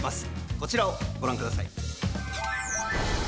こちらをご覧ください。